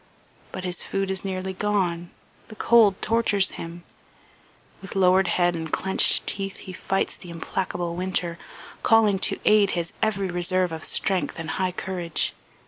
But his food is nearly gone, the cold tortures him; with lowered head and clenched teeth he fights the implacable winter, calling to aid his every reserve of strength and high courage.